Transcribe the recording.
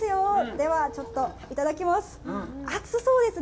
では、ちょっといただきます。